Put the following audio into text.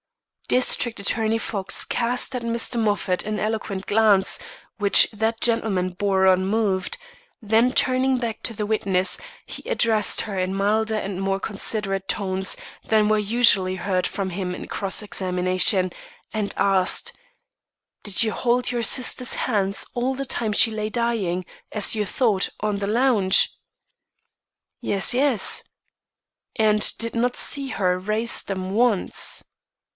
District Attorney Fox cast at Mr. Moffat an eloquent glance, which that gentleman bore unmoved; then turning back to the witness, he addressed her in milder and more considerate tones than were usually heard from him in cross examination, and asked: "Did you hold your sister's hands all the time she lay dying, as you thought, on the lounge?" "Yes, yes." "And did not see her raise them once?"